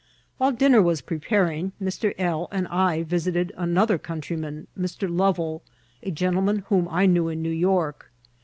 While dinner was preparing, Mr. L. and I visited another countryman, Mr. Lovel, a gentleman whom I knew in New York.